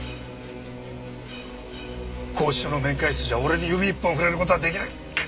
拘置所の面会室じゃ俺に指一本触れる事は出来ない。